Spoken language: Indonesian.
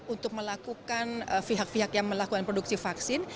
untuk melakukan pihak pihak yang melakukan produksi vaksin